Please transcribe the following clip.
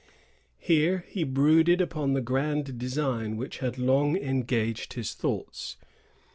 Here he brooded upon the grand design which had long engaged his thoughts.